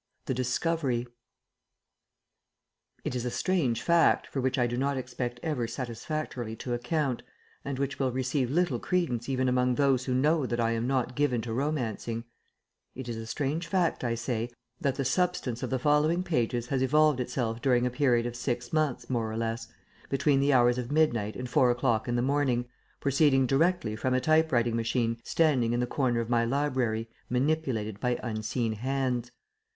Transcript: THE DISCOVERY It is a strange fact, for which I do not expect ever satisfactorily to account, and which will receive little credence even among those who know that I am not given to romancing it is a strange fact, I say, that the substance of the following pages has evolved itself during a period of six months, more or less, between the hours of midnight and four o'clock in the morning, proceeding directly from a type writing machine standing in the corner of my library, manipulated by unseen hands.